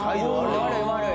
悪い悪い。